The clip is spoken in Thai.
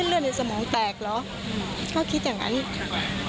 สิ่งที่ติดใจก็คือหลังเกิดเหตุทางคลินิกไม่ยอมออกมาชี้แจงอะไรทั้งสิ้นเกี่ยวกับความกระจ่างในครั้งนี้